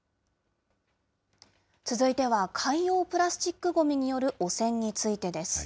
続いては、海洋プラスチックごみによる汚染についてです。